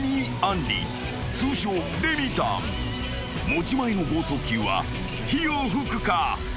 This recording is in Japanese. ［持ち前の剛速球は火を噴くか？］